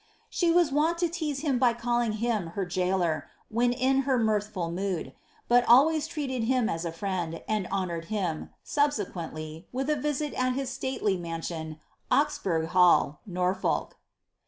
She was wont to tease him by calling him her jailor, when in her mirthful mood, but always treated him as a friend, and honoured him, subse quently, with a visit at his stately mansion, Oxburgh Ilall, Norfolk.